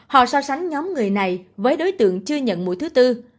họ so sánh nhóm người này với đối tượng chưa nhận mũi thứ tư